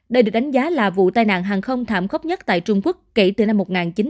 đây được đánh giá là vụ tai nạn hàng không thảm khốc nhất tại trung quốc kể từ năm một nghìn chín trăm chín mươi